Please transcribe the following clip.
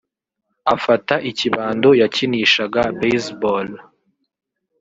afata ikibando yakinishaga baseball